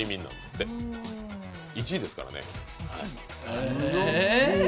１位ですからね。